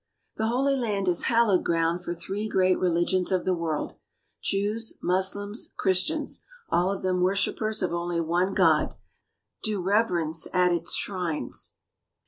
THE Holy Land is hallowed ground for three great religions of the world. Jews, Moslems, Chris tians — all of them worshippers of only one god — do reverence at its shrines.